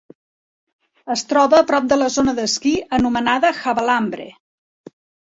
Es troba a prop de la zona d'esquí anomenada Javalambre.